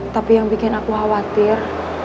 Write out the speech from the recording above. tapi yang bikin aku khawatir